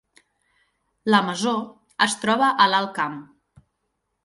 La Masó es troba a l’Alt Camp